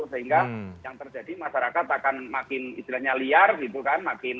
sehingga yang terjadi masyarakat akan makin istilahnya liar gitu kan